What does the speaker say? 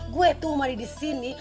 gue tuh mandi disini